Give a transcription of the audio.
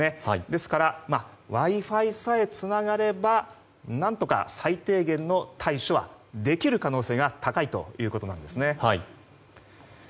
ですからＷｉ‐Ｆｉさえつながれば何とか最低限の対処はできる可能性が高いということなんですね。